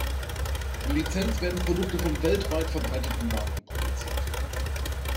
In Lizenz werden Produkte von weltweit verbreiteten Marken produziert.